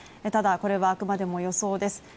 ただこれはあくまでも予想です